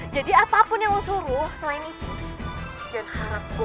jadi apapun yang lo suruh selain itu